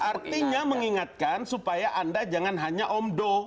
artinya mengingatkan supaya anda jangan hanya omdo